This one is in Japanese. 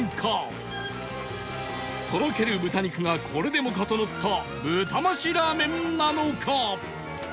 とろける豚肉がこれでもかとのった豚増しラーメンなのか？